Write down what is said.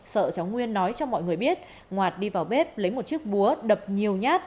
sợ cháu nguyên nói cho mọi người biết ngoạt đi vào bếp lấy một chiếc búa đập nhiều nhát